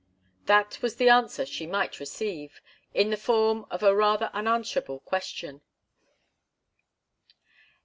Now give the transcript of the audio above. That was the answer she might receive in the form of a rather unanswerable question.